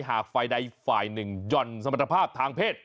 หากฝ่ายใดฝ่ายหนึ่งหย่อนสมรรถภาพทางเพศ